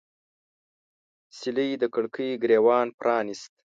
سیلۍ د کړکۍ ګریوان پرانیست